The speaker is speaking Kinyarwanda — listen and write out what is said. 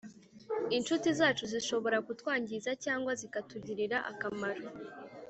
Inshuti zacu zishobora kutwangiza cyangwa zikatugirira akamaro